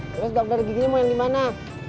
terus gampar giginya mau yang di mana